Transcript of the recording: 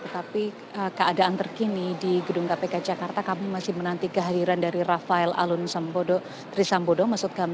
tapi keadaan terkini di gedung kpk jakarta kami masih menanti kehadiran dari rafael alun trisambodo